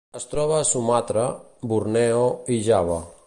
Es troba a Sumatra, Borneo i Java.